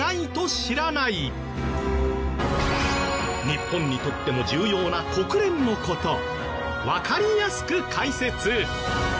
日本にとっても重要な国連の事わかりやすく解説。